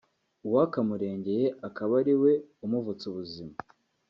uwakamurengeye akaba ari we umuvutsa ubuzima